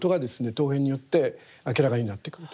陶片によって明らかになってくると。